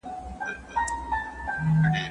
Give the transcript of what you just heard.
تعاون او همکاري د ژوند د ښکلا بنسټ دی.